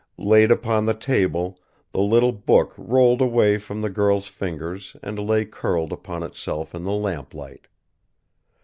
Laid upon the table, the little book rolled away from the girl's fingers and lay curled upon itself in the lamplight.